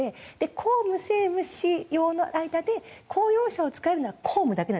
公務政務私用の間で公用車を使えるのは公務だけなんです。